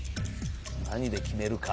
何で決めるか。